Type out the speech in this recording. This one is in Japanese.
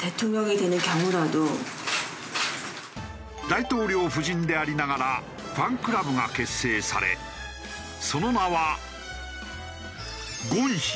大統領夫人でありながらファンクラブが結成されその名は。